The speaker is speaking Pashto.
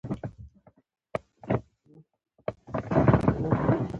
دوی د همدې انځورونو پر ارزښت باندې بحث کاوه.